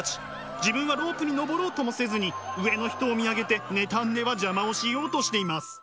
自分はロープに登ろうともせずに上の人を見上げて妬んでは邪魔をしようとしています。